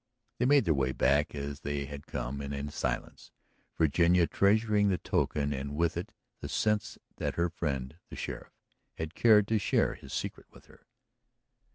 They made their way back as they had come and in silence, Virginia treasuring the token and with it the sense that her friend the sheriff had cared to share his secret with her.